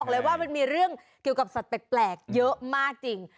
เลยว่ามันมีเรื่องเกี่ยวกับสัตว์แปลกเยอะมากจริง